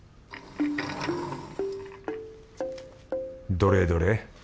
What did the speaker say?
どれどれ。